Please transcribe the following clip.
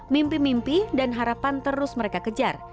mimpi mimpi dan harapan terus mereka kejar